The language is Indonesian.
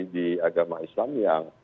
di agama islam yang